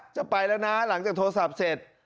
จะไปแล้วนะหลังจากโทรศัพท์เสร็จ